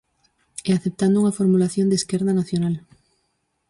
E aceptando unha formulación de esquerda nacional.